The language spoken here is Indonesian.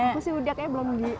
aku sih udah kayaknya belum di